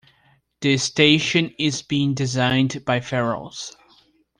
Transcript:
The station is being designed by Farrells.